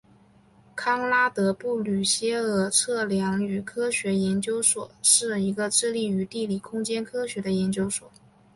康拉德布吕歇尔测量与科学研究所是一个致力于地理空间科学的研究所。